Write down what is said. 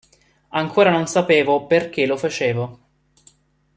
Ancora non sapevo perché lo facevo...